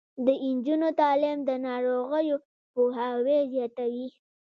د نجونو تعلیم د ناروغیو پوهاوي زیاتوي.